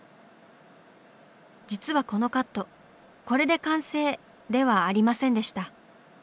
実はこのカットこれで完成ではありませんでした。